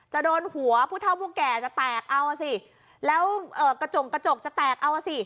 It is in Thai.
จะโดนหัวผู้เท่าผู้แก่จะแตกเอาสิแล้วกระจกจะแตกเอาสิ